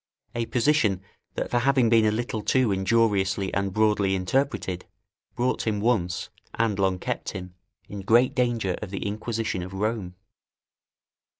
A position, that for having been a little too injuriously and broadly interpreted, brought him once and long kept him in great danger of the Inquisition at Rome.